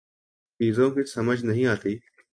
چیزوں کی سمجھ نہیں آتی